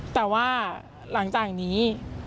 แต่ว่าหลังจากนี้